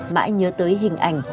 mãi nhớ tới hình ảnh